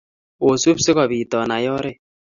Osup si kobiit onai ooret.